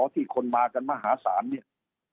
ที่คนมากันมหาศาลเนี่ย